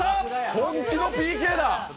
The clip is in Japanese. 本気のＰＫだ！